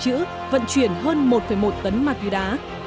công an tp hcm vận chuyển hơn một một tấn ma túy đá